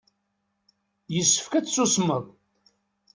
Yessefk ad tsusmeḍ.